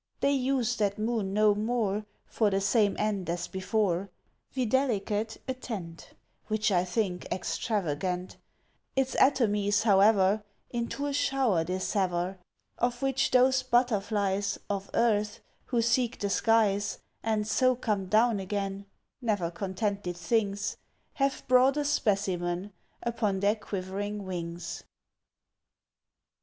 They use that moon no more For the same end as before Videlicet a tent Which I think extravagant: Its atomies, however, Into a shower dissever, Of which those butterflies, Of Earth, who seek the skies, And so come down again (Never contented things!) Have brought a specimen Upon their quivering wings.